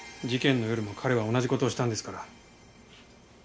事件の夜も彼は同じ事をしたんですから。